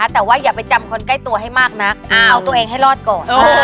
แต่ว่าอย่าไปจำคนใกล้ตัวให้มากนักเอาตัวเองให้รอดก่อน